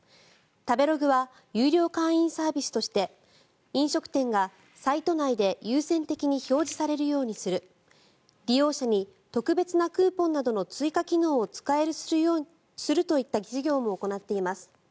食べログは有料会員サービスとして飲食店がサイト内で優先的に表示されるようにする利用者に特別なクーポンなどの追加機能を使えるようにするといった事業も行っています。